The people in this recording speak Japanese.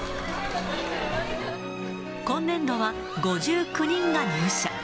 今年度は、５９人が入社。